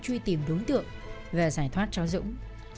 truy tìm đối tượng và giải thoát cháu dũng